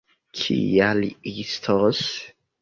Kia li estos?